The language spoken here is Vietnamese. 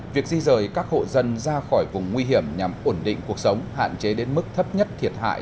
việc di rời các hộ dân ra khỏi vùng nguy hiểm nhằm ổn định cuộc sống hạn chế đến mức thấp nhất thiệt hại